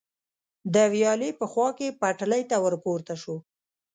د ویالې په خوا کې پټلۍ ته ور پورته شو.